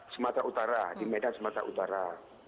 semata utara di medan semata utara